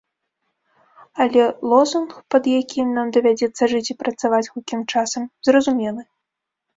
Але лозунг, пад якім нам давядзецца жыць і працаваць хуткім часам, зразумелы.